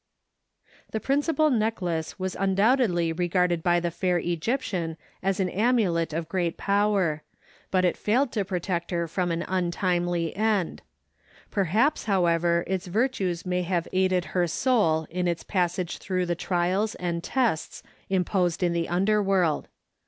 ] The principal necklace was undoubtedly regarded by the fair Egyptian as an amulet of great power, but it failed to protect her from an untimely end; perhaps, however, its virtues may have aided her soul in its passage through the trials and tests imposed in the underworld.